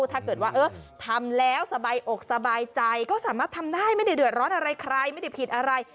ถ้าเกิดว่าทำแล้วสบายอกสบายใจก็สามารถทำได้ไม่ได้เดือดร้อนอะไรใครไม่ได้ผิดอะไร